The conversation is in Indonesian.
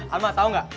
alma tau gak